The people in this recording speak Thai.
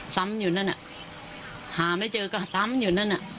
ซ้ำอยู่นั่นหาไม่เจอก็ซ้ำอยู่นั่น